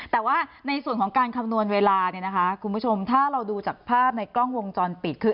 แต่ว่าในส่วนของการคำนวณเวลาเนี่ยนะคะคุณผู้ชมถ้าเราดูจากภาพในกล้องวงจรปิดคือ